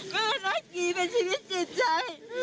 แม่รักหยีเป็นชีวิตจิตใจ